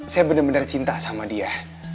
saya bener bener cinta sama dia